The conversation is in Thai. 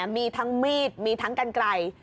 มีทั้งมีดมีทั้งกันไกล